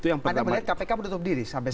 anda melihat kpk menutup diri sampai sekarang